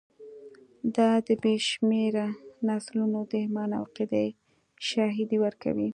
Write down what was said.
دا د بې شمېره نسلونو د ایمان او عقیدې شاهدي ورکوي.